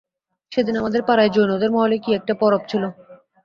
সেদিন আমাদের পাড়ায় জৈনদের মহলে কী একটা পরব ছিল।